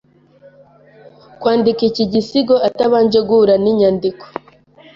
kwandika iki gisigo atabanje guhura ninyandiko